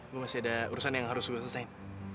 gue masih ada urusan yang harus gue selesai